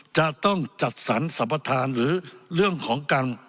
จะต้องจัดสรรสรรพทานหรือเรื่องของการ